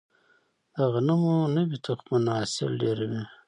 د غنمو نوي تخمونه حاصل ډیروي.